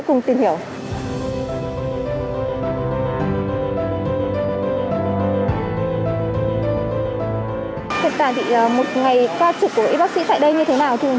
thực tạng thì một ngày ca trực của y bác sĩ tại đây như thế nào thưa bác sĩ